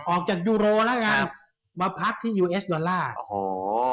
ออกจากยูโรว่ล่ะค่ะมาพักที่ยูเอสดอลลาร์